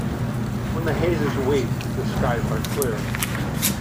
When the haze is weak, the skies are clear.